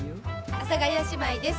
阿佐ヶ谷姉妹です。